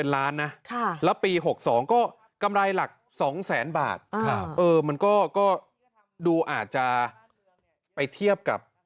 แล้วปี๖๒ก็กำไรหลัก๒แสนบาทมันก็ดูอาจจะไปเทียบกับ